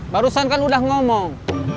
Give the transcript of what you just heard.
barusan kan udah ngomong